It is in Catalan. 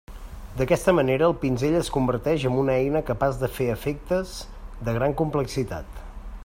D'aquesta manera el pinzell es converteix amb una eina capaç de fer efectes de gran complexitat.